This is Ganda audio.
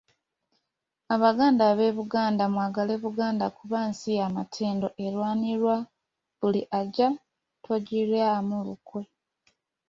"Abaganda ab’eBuganda, mwagale Buganda kuba nsi ya matendo, erwanirwa buli ajja, togiryamu lukwe."